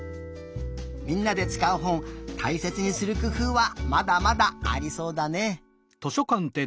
みんなでつかうほんたいせつにするくふうはまだまだありそうだね。